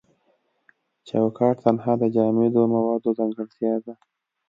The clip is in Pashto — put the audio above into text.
چوکات تنها د جامد موادو ځانګړتیا ده.